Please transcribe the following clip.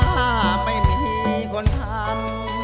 ห้าไม่มีคนทัน